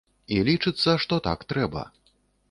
І лічыцца, што так трэба.